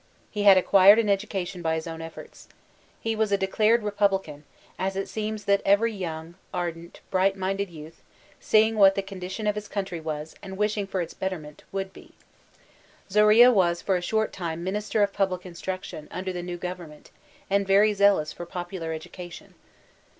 He had acquired an education by his own efforts. He was a declared Republican, as it seems that every young, ardent, bright minded youth, seeing what the condition of his country was, and wbhing for its betterment, would be. Zorilla was for a short time Minister of Public Instruction, under the new govern ment, and veiy zealous for popular education.